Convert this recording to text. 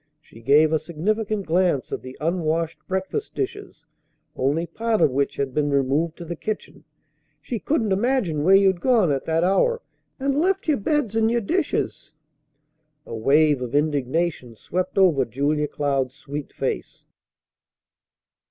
She gave a significant glance at the unwashed breakfast dishes, only part of which had been removed to the kitchen. "She couldn't imagine where you'd gone at that hour an' left your beds and your dishes." A wave of indignation swept over Julia Cloud's sweet face.